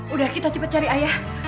udah kita cepet cari ayah